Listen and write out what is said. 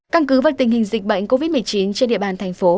căn cứ vào tình hình dịch bệnh covid một mươi chín trên địa bàn thành phố